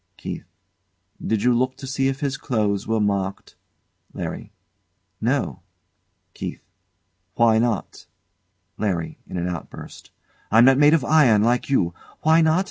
KEITH. Did you look to see if his clothes were marked? LARRY. No. KEITH. Why not? LARRY. [In an outburst] I'm not made of iron, like you. Why not?